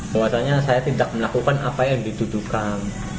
bahwasannya saya tidak melakukan apa yang dituduhkan